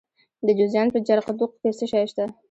د جوزجان په جرقدوق کې څه شی شته؟